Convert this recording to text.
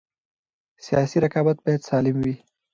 سیاسي رقابت باید سالم وي